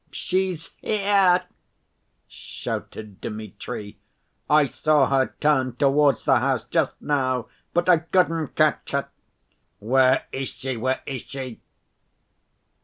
"She's here!" shouted Dmitri. "I saw her turn towards the house just now, but I couldn't catch her. Where is she? Where is she?"